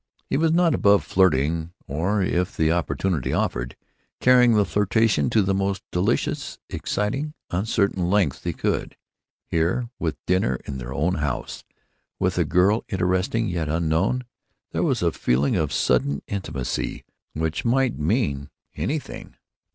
He was not above flirting or, if the opportunity offered, carrying the flirtation to the most delicious, exciting, uncertain lengths he could. Here, with "dinner in their own house," with a girl interesting yet unknown, there was a feeling of sudden intimacy which might mean anything.